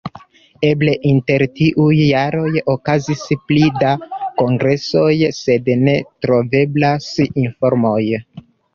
Eble inter tiuj jaroj okazis pli da kongresoj, sed ne troveblas informoj.